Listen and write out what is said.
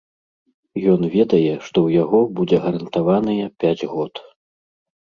Ён ведае, што ў яго будзе гарантаваныя пяць год.